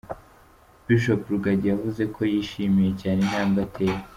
Bishop Rugagi yavuze ko yishimiye cyane intambwe ateye.